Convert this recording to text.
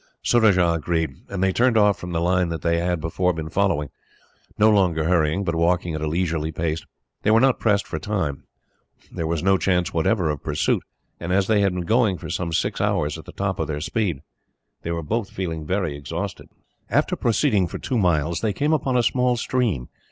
Surajah agreed, and they turned off from the line that they had before been following; no longer hurrying, but walking at a leisurely pace. They were not pressed for time. There was no chance, whatever, of pursuit; and as they had been going, for some six hours, at the top of their speed, they were both feeling exhausted. After proceeding for two miles, they came upon a small stream.